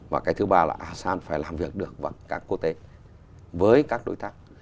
và cái thứ ba là asean phải làm việc được với các quốc tế với các đối tác